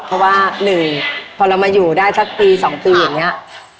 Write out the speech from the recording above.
เพราะว่าหนึ่งพอเรามาอยู่ได้สักปี๒ปีอย่างนี้